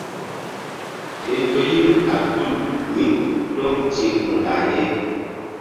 Ke nzo yim kal tul mí tom ti̧h ku̧ lah ye.